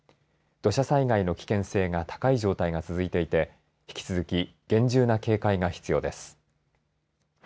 土砂災害の危険性が高い状態が続いていて引き続き厳重な警戒が必要です。